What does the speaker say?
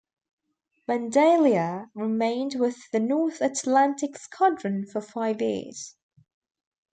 "Vandalia" remained with the North Atlantic Squadron for five years.